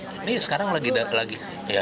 tapi setidaknya telah salinan dari pengadilan